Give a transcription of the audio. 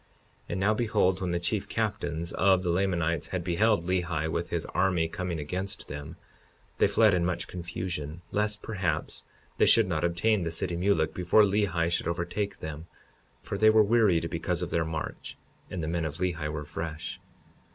52:28 And now behold, when the chief captains of the Lamanites had beheld Lehi with his army coming against them, they fled in much confusion, lest perhaps they should not obtain the city Mulek before Lehi should overtake them; for they were wearied because of their march, and the men of Lehi were fresh.